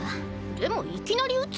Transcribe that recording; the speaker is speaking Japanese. でもいきなり撃つ？